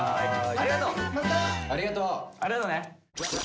ありがとね。